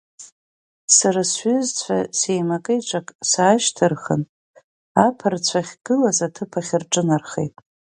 Сара сҩызцәа сеимакы-еиҿакны саашьҭырхын, аԥырцәа ахьгылаз аҭыԥахь рҿынархеит.